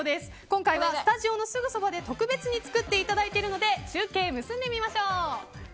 今回はスタジオのすぐそばで特別に作っていただいているので中継を結んでみましょう。